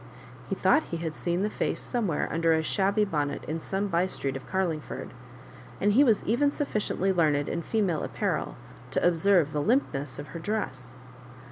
He thought he had seen the face somewhere under a shabby bonnet in soma by street of Carlingford, and he was even sufficiently learned in female apparel to observe tlie limpness of her dress.